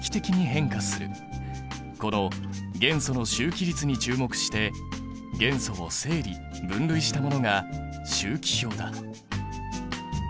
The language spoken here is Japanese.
この元素の周期律に注目して元素を整理分類したものが周期表だ。